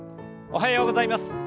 おはようございます。